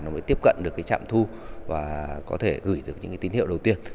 nó mới tiếp cận được cái trạm thu và có thể gửi được những cái tín hiệu đầu tiên